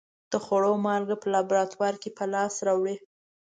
د خوړو مالګه په لابراتوار کې په لاس راوړي.